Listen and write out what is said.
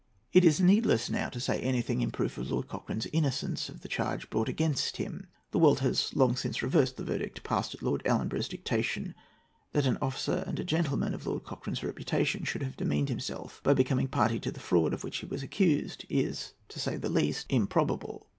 It is needless now to say anything in proof of Lord Cochrane's innocence of the charge brought against him. The world has long since reversed the verdict passed at Lord Ellenborough's dictation. That an officer and a gentleman of Lord Cochrane's reputation should have demeaned himself by becoming a party to the fraud of which he was accused, is, to say the least, improbable.